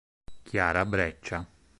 Chiara Breccia